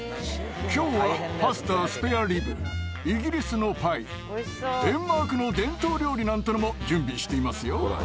きょうはパスタ、スペアリブ、イギリスのパイ、デンマークの伝統料理なんてのも準備していますよ。